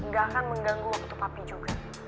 gak akan mengganggu waktu papi juga